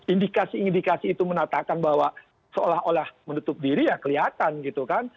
indikasi indikasi itu menatakan bahwa seolah olah menutup diri ya kelihatan gitu kan